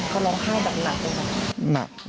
เขาร้องไห้แบบหนักหรือเปล่า